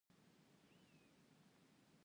د وریجو دانه د معدې لپاره وکاروئ